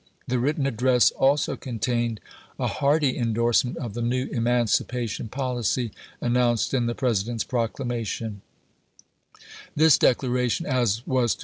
The written address also contained a hearty indorsement of the new emancipation policy announced in the President's proclamation.